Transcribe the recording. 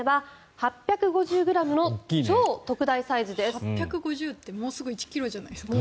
８５０ｇってもうすぐ１ｋｇじゃないですか。